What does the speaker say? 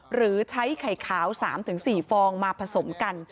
หรือใช้ไข่ขาว๓๔ฟองมาผสมกัน